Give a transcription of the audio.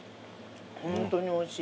ホントにおいしい。